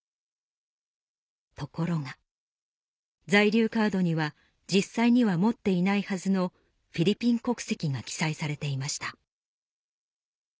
ところが在留カードには実際には持っていないはずのフィリピン国籍が記載されていました